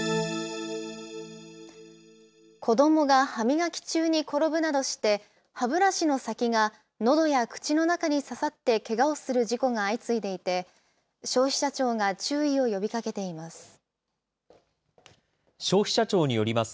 子どもが歯磨き中に転ぶなどして、歯ブラシの先がのどや口の中に刺さってけがをする事故が相次いでいて、消費者庁が注意を呼びかけています。